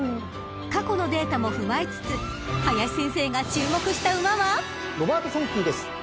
［過去のデータも踏まえつつ林先生が注目した馬は？］ロバートソンキーです。